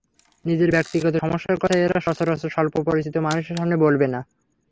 নিজের ব্যক্তিগত সমস্যার কথা এরা সচরাচর স্বল্প পরিচিত মানুষের সামনে বলবে না।